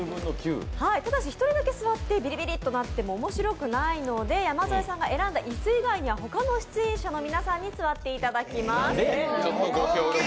ただし、１人だけ座ってビリビリとなってもおもしろくないので、山添さんが選んだ椅子には他の出演者の皆さんに座っていただきます。